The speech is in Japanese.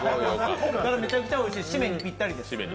めちゃくちゃおいしい締めにぴったり。